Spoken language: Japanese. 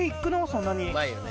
そんなに。